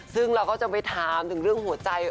ซึ่งเราก็จะไปถามถึงเรื่องหัวใจ